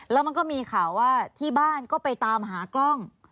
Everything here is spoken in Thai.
แล้วมันก็มีข่าวว่าที่บ้านก็ไปตามหากล้อง